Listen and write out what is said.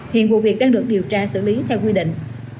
hiện vụ việc đang được điều tra xử lý theo quy định